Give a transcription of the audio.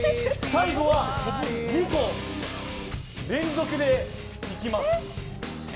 最後は２個連続でいきます。